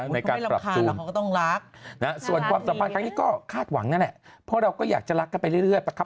ไม่รำคาญหรอกก็ต้องรักให้รักดีนะครับ